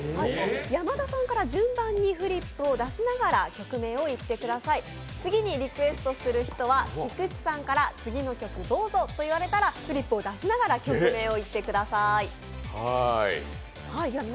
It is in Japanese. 山田さんから順番にフリップを出しながら曲名を言ってください、次にリクエストする人は菊池さんから次の曲どうぞと言われたらフリップを出しながら曲名を言ってください。